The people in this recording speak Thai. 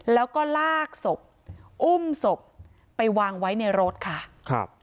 แล้วก็ลากศพอุ้มศพไปวางไว้ในรถค่ะครับ